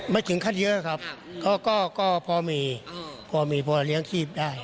ไม่ถึงขั้นเยอะครับก็พอมีพอมีพอเลี้ยงชีพได้